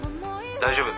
大丈夫。